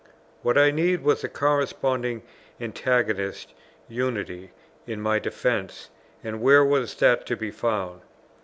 What I needed was a corresponding antagonist unity in my defence, and where was that to be found?